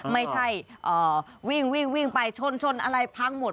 ไม่ใช่วิ่งไปชนอะไรพังหมด